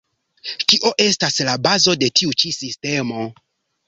Kio estas la bazo de tiu ĉi sistemo?